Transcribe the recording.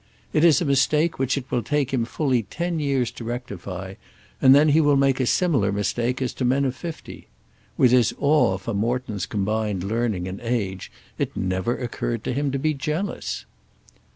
It is a mistake which it will take him fully ten years to rectify, and then he will make a similar mistake as to men of fifty. With his awe for Morton's combined learning and age, it never occurred to him to be jealous.